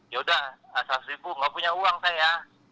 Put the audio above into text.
yaudah seratus ribu nggak punya uang saya